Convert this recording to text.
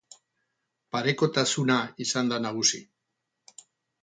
Parekotasuna izan da nagusi.